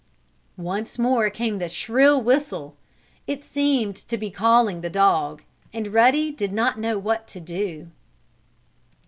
Once more came the shrill whistle. It seemed to be calling the dog, and Ruddy did not know what to do.